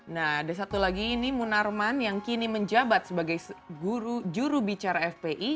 nah ada satu lagi ini munarman yang kini menjabat sebagai jurubicara fpi